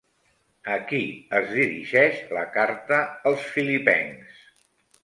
A qui es dirigeix la «Carta als Filipencs»?